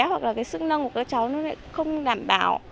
hoặc là cái sức năng của các cháu nó lại không đảm bảo